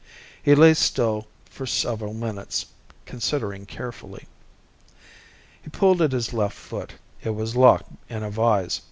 He lay still for several minutes, considering carefully. He pulled at his left foot. It was locked in a vise.